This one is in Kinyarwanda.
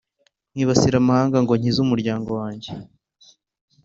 nkibasira amahanga ngo nkize umuryango wanjye.